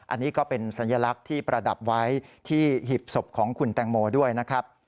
อันนี้ก็เป็นสัญลักษณ์ที่ประดับไว้ที่หีบศพของคุณแตงโมด้วยนะครับ